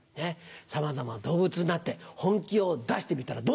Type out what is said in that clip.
さまざまな動物になって本気を出してみたらどうなる。